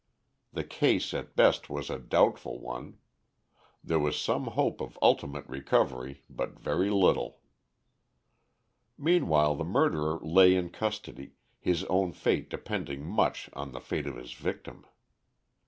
The case at best was a doubtful one. There was some hope of ultimate recovery, but very little. Meanwhile the murderer lay in custody, his own fate depending much on the fate of his victim.